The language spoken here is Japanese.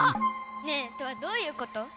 ねえトアどういうこと？